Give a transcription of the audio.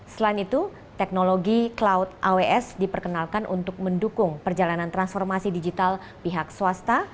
selain itu teknologi cloud aws diperkenalkan untuk mendukung perjalanan transformasi digital pihak swasta